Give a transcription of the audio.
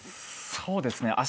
そうですね。